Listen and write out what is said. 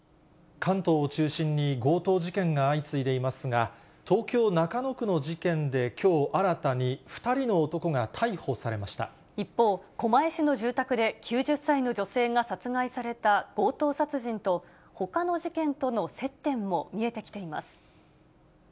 関東を中心に強盗事件が相次いでいますが、東京・中野区の事件できょう、新たに２人の男が逮一方、狛江市の住宅で９０歳の女性が殺害された強盗殺人と、ほかの事件との接点も見えてきています。